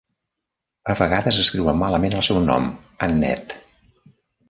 A vegades escriuen malament el seu nom: Annett.